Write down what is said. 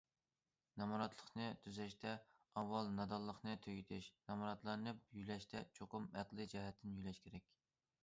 نامراتلىقنى تۈزەشتە ئاۋۋال نادانلىقنى تۈگىتىش، نامراتلارنى يۆلەشتە چوقۇم ئەقلىي جەھەتتىن يۆلەش كېرەك.